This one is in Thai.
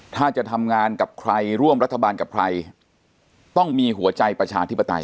ถ้าจะทำงานกับใครร่วมรัฐบาลกับใครต้องมีหัวใจประชาธิปไตย